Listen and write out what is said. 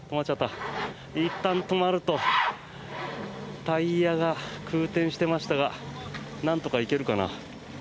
いったん止まるとタイヤが空転してましたがなんとか行けるかな。